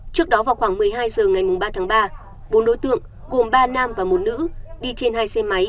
trước đó vào khoảng một mươi hai h ngày ba tháng ba bốn đối tượng gồm ba nam và một nữ đi trên hai xe máy